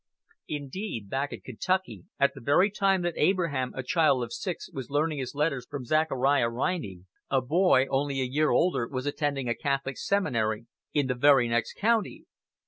Indeed, back in Kentucky, at the very time that Abraham, a child of six, was learning his letters from Zachariah Riney, a boy only a year older was attending a Catholic seminary in the very next county.